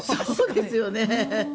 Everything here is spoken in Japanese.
そうですよね。